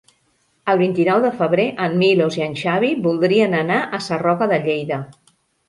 El vint-i-nou de febrer en Milos i en Xavi voldrien anar a Sarroca de Lleida.